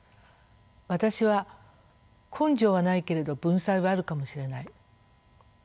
私は根性はないけれど文才はあるかもしれない。